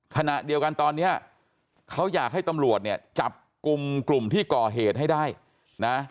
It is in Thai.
ขณะเดียวกันตอนนี้เขาอยากให้ตำรวจเนี่ยจับกลุ่มกลุ่มที่ก่อเหตุให้ได้นะ